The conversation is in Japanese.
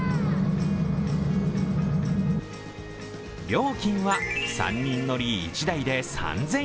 料金は、３人乗り１台で３０００円。